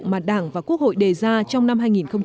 mà đảng và quốc hội đề ra trong năm hai nghìn một mươi chín